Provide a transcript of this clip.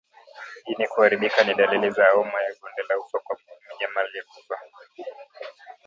Ini kuharibika ni dalili za homa ya bonde la ufa kwa mnyama aliyekufa